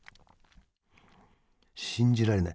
信じられない。